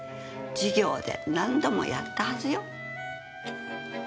授業で何度もやったはずよ。